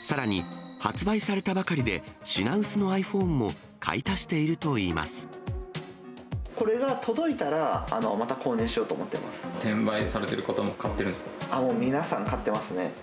さらに、発売されたばかりで品薄のｉＰｈｏｎｅも買い足しているといいまこれが届いたら、転売されてる方も買ってるんもう皆さん、買ってますね。